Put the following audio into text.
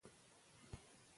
برتانیه د خپل ویاړ خبرې کوي.